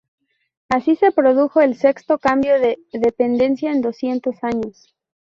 Así se produjo el sexto cambio de dependencia en doscientos años.